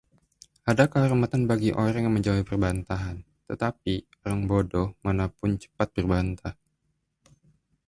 Ada kehormatan bagi orang yang menjauhi perbantahan, tetapi orang bodoh mana pun cepat berbantah.